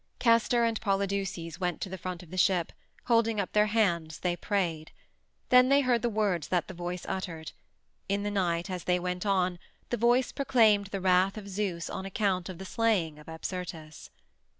Castor and Polydeuces went to the front of the ship; holding up their hands, they prayed. Then they heard the words that the voice uttered: in the night as they went on the voice proclaimed the wrath of Zeus on account of the slaying of Apsyrtus.